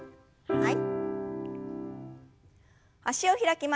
はい。